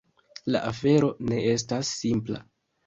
La afero ne estas simpla.